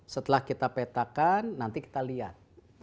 setelah kita petakan nanti kita lihat